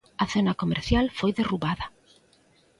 A zona comercial foi derrubada.